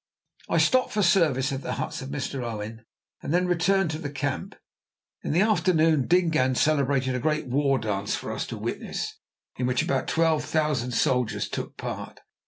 I stopped for service at the huts of Mr. Owen, and then returned to the camp. In the afternoon Dingaan celebrated a great war dance for us to witness, in which about twelve thousand soldiers took part.